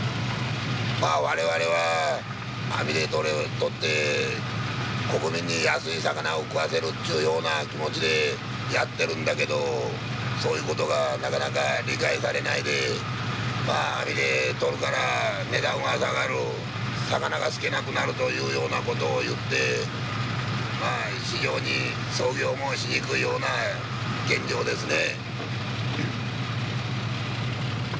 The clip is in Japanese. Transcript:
まあ我々は網で取って国民に安い魚を食わせるっちゅうような気持ちでやってるんだけどそういうことがなかなか理解されないでまあ網で取るから値段は下がる魚が少なくなるというようなことを言ってまあ非常に操業もしにくいような現状ですね。